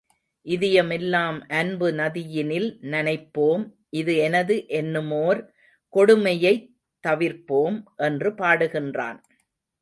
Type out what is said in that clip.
இதயமெலாம் அன்பு நதியினில் நனைப்போம் இது எனது என்னுமோர் கொடுமையைத் தவிர்ப்போம்! என்று பாடுகின்றான்.